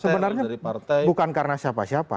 sebenarnya bukan karena siapa siapa